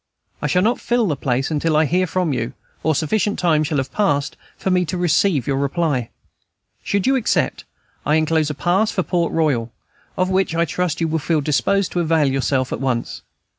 I shall not fill the place until I hear from you, or sufficient time shall have passed for me to receive your reply. Should you accept, I enclose a pass for Port Royal, of which I trust you will feel disposed to avail yourself at once.